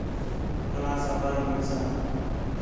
کلاس آ بعد مِلساں